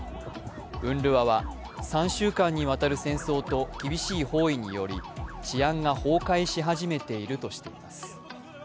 ＵＮＲＷＡは３週間にわたる戦争と厳しい包囲により治安が崩壊し始めているとしています。